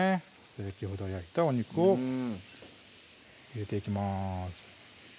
先ほど焼いたお肉を入れていきます